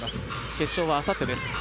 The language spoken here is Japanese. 決勝はあさってです。